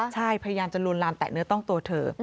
ใช่พยายามจะลวนลามแตะเนื้อต้องตัวเธอ